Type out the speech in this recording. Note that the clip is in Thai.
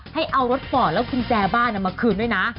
ให้เอารถกรอบแล้วขึ้นแจบ้านมาคืนด้วยนะ